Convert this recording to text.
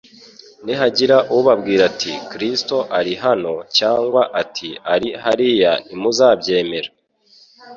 «Nihagira ubabwira ati: Kristo ari hano cyangwa ati: ari hariya ntimuzabyemere.